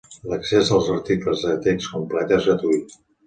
L'accés als articles a text complet és gratuït.